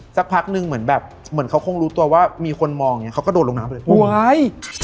สักพักนึงเหมือนแบบเขาคงรู้ตัวว่ามีคนมองเขาก็โดดลงน้ำเลย